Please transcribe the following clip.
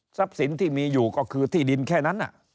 สินที่มีอยู่ก็คือที่ดินแค่นั้น